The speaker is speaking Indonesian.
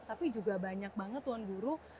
tapi juga banyak banget tuan guru